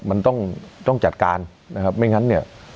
มันต้องต้องจัดการนะครับไม่งั้นเนี่ย